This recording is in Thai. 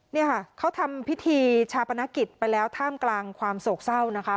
เนี่ยค่ะเขาทำพิธีชาปนกิจไปแล้วท่ามกลางความโศกเศร้านะคะ